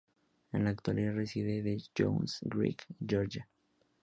En la actualidad reside en Johns Creek, Georgia.